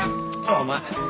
お前。